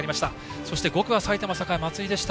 そして５区は埼玉栄の松井。